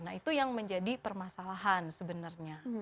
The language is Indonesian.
nah itu yang menjadi permasalahan sebenarnya